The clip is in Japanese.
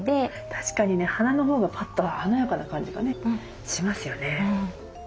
確かにね花のほうがパッと華やかな感じがねしますよね。